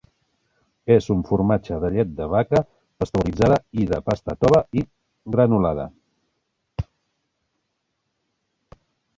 És un formatge de llet de vaca pasteuritzada i de pasta tova i granulada.